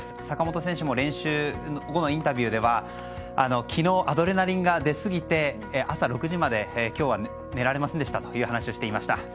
坂本選手も練習後のインタビューでは昨日、アドレナリンが出すぎて朝６時まで今日は寝られませんでしたという話をしていました。